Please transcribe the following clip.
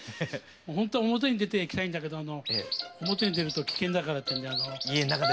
ほんとは表に出ていきたいんだけど表に出ると危険だからっていうんで。